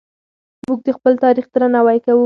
موږ د خپل تاریخ درناوی کوو.